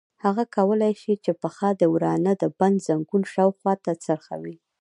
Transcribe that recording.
هغه کولای شي چې پښه د ورانه د بند زنګون شاوخوا ته څرخوي.